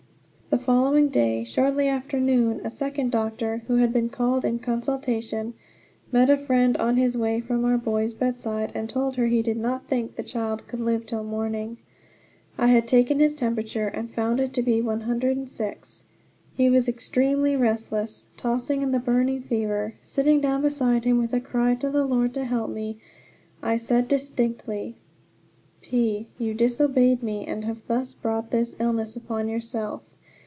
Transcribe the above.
The following day, shortly after noon, a second doctor, who had been called in consultation, met a friend on his way from our boy's bedside and told her he did not think the child could live till morning. I had taken his temperature, and found it to be 106. He was extremely restless, tossing in the burning fever. Sitting down beside him, with a cry to the Lord to help me, I said distinctly: "P , you disobeyed me, and have thus brought this illness upon yourself.